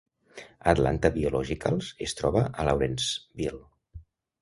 Atlanta Biologicals es troba a Lawrenceville.